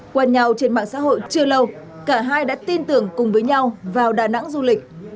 quen nhau trên mạng xã hội chưa lâu cả hai đã tin tưởng cùng với nhau vào đà nẵng du lịch